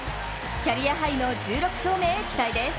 キャリアハイの１６勝目へ期待です。